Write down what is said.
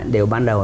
đều ban đầu